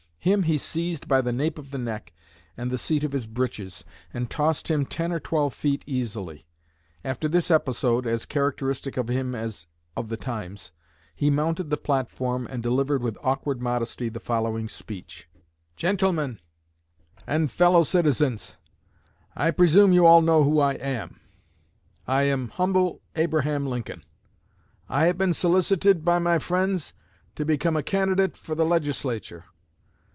Him he seized by the nape of the neck and the seat of his breeches, and tossed him 'ten or twelve feet easily.' After this episode as characteristic of him as of the times he mounted the platform and delivered with awkward modesty the following speech: 'Gentlemen and Fellow Citizens, I presume you all know who I am. I am humble Abraham Lincoln. I have been solicited by my friends to become a candidate for the Legislature.